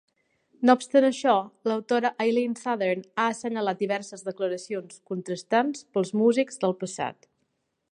No obstant això, l'autora Eileen Southern ha assenyalat diverses declaracions contrastants pels músics del passat.